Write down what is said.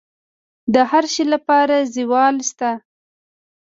د هر شي لپاره زوال شته،